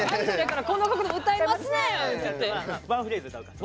ワンフレーズ歌うから。